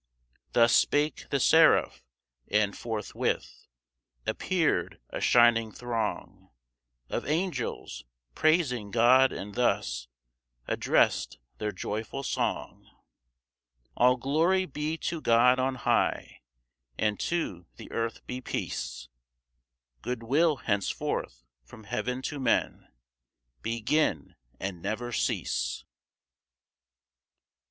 Thus spake the Seraph; and forthwith Appear'd a shining throng Of angels, praising God, and thus Address'd their joyful song: "All glory be to God on high, And to the earth be peace; Good will henceforth from heaven to men Begin, and never cease!"